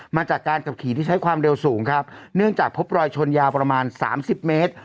มาจากการขับขี่ที่ใช้ความเร็วสูงครับเนื่องจากพบรอยชนยาวประมาณสามสิบเมตร